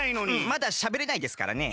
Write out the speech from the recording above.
まだしゃべれないですからね。